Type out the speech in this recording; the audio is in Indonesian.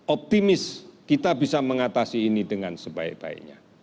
optimis kita bisa mengatasi ini dengan sebaik baiknya